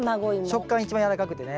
食感一番軟らかくてね。